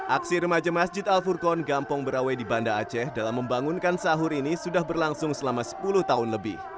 aksi remaja masjid al furqon gampong berawei di banda aceh dalam membangunkan sahur ini sudah berlangsung selama sepuluh tahun lebih